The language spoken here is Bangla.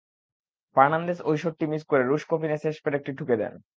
ফার্নান্দেস ওই শটটি মিস করে রুশ কফিনে শেষ পেরেকটি ঠুকে দেন।